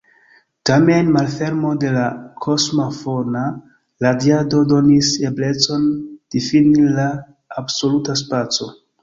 Tamen, malfermo de la kosma fona radiado donis eblecon difini la absoluta spaco.